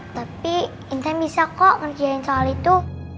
tapi intan bisa kok ngerjain soal itu